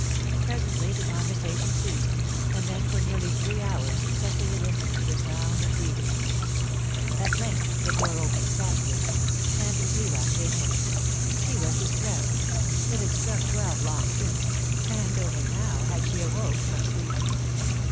Presently the conversation ceased, and then for nearly three hours Cecily listened to the sound of breathing. At length the door softly opened, and Zillah came in. She was distressed; it had struck twelve long since, and only now had she awoke from sleep.